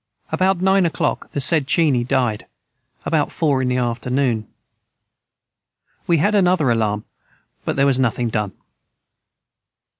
About nine o clock the said cheney died about fore in the afternoon We had another alarm but their was nothing done.